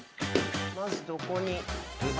まずどこに。